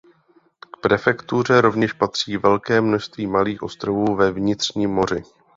K prefektuře rovněž patří velké množství malých ostrovů ve Vnitřním moři.